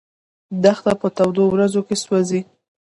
دښته په تودو ورځو کې سوځي.